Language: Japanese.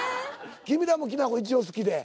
君らもきな粉一応好きで。